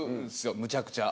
むちゃくちゃ。